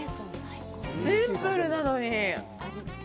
シンプルなのに。